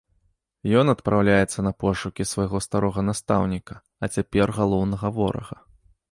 Ён адпраўляецца на пошукі свайго старога настаўніка, а цяпер галоўнага ворага.